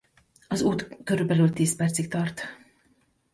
Az út körülbelül tíz percig tart.